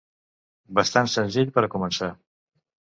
Bastant senzill per a començar.